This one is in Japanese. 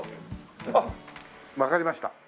あっわかりました！